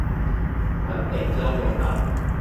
環北交流道